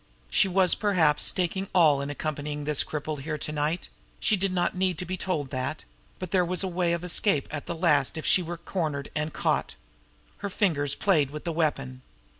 She was perhaps staking her all in accompanying this cripple here to night she did not need to be told that but there was a way of escape at the last if she were cornered and caught. Her fingers played with the weapon.